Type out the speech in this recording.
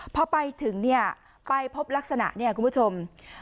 พอไปถึงเนี่ยไปพบลักษณะเนี่ยคุณผู้ชม